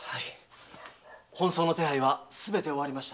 本葬の手配はすべて終わりました。